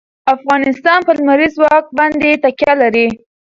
افغانستان په لمریز ځواک باندې تکیه لري.